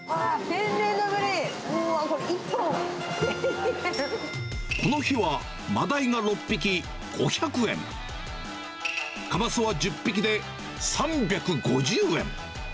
天然のブリ、うーわ、この日は、マダイが６匹５００円、カマスは１０匹で３５０円。